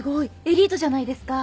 エリートじゃないですか。